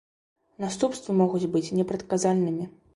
Наступствы могуць быць непрадказальнымі.